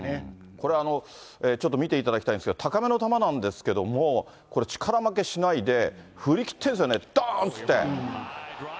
これ、ちょっと見ていただきたいんですが、高めの球なんですけども、これ、力負けしないで、振り切ってるんですよね、どーんっていって。